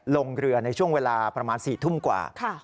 ลงเรือในช่วงเวลาประมาณ๔ทุ่มกว่า